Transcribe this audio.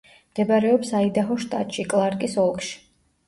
მდებარეობს აიდაჰოს შტატში, კლარკის ოლქში.